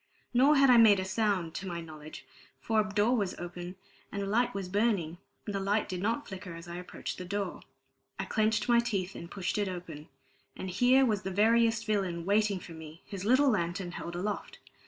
Nor had I made a sound, to my knowledge; for a door was open, and a light was burning, and the light did not flicker as I approached the door. I clenched my teeth and pushed it open; and here was the veriest villain waiting for me, his little lantern held aloft.